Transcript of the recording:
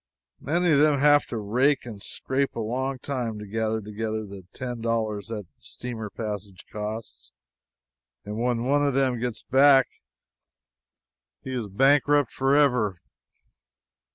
Many of them have to rake and scrape a long time to gather together the ten dollars their steamer passage costs, and when one of them gets back he is a bankrupt forever after.